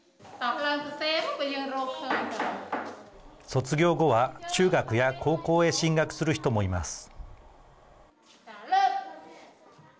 卒業後は、中学や高校へ進学する人もいます。